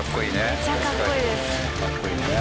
めっちゃかっこいいです。